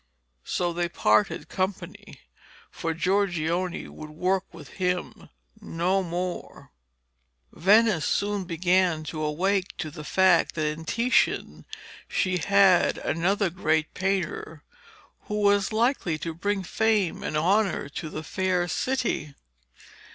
So they parted company, for Giorgione would work with him no more. Venice soon began to awake to the fact that in Titian she had another great painter who was likely to bring fame and honour to the fair city.